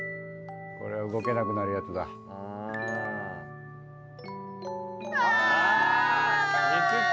これは動けなくなるやつだあーっ